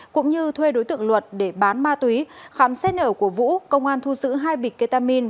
cũng như thuê đối tượng luật để bán ma túy khám xét nở của vũ công an thu giữ hai bịch ketamin